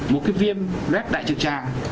một cái viêm rết đại trực trạng